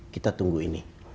kita tunggu ini